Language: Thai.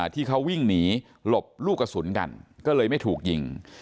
ที่เขาวิ่งหนีหลบลูกกระสุนกันก็เลยไม่ถูกยิง